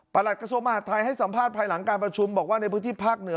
หลักกระทรวงมหาดไทยให้สัมภาษณ์ภายหลังการประชุมบอกว่าในพื้นที่ภาคเหนือ